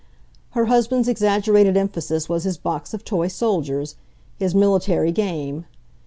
Her husband's exaggerated emphasis was his box of toy soldiers, his military game.